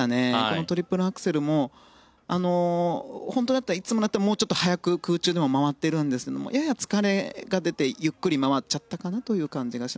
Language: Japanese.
このトリプルアクセルも本当だったらいつもだったらもうちょっと早く空中で回っていますがやや疲れが出てゆっくり回っちゃったかなという感じ。